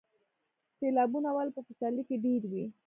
سیلابونه ولې په پسرلي کې ډیر وي؟